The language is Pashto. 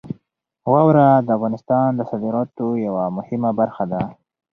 واوره د افغانستان د صادراتو یوه مهمه برخه ده.